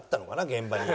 現場に。